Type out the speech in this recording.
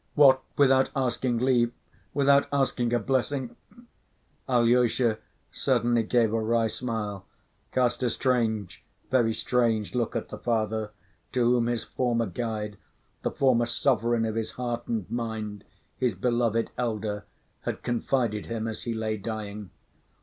What, without asking leave, without asking a blessing?" Alyosha suddenly gave a wry smile, cast a strange, very strange, look at the Father to whom his former guide, the former sovereign of his heart and mind, his beloved elder, had confided him as he lay dying.